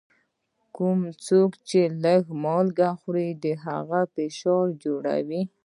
کوم څوک چي لږ مالګه خوري، د هغه فشار جوړ وي.